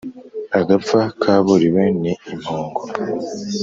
Agapfa kabuliwe ni impongo.